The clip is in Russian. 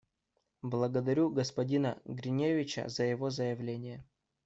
Благодарю господина Гриневича за его заявление.